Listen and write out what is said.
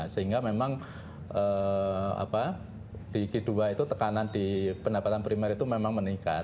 sehingga memang di k dua itu tekanan di pendapatan primer itu memang meningkat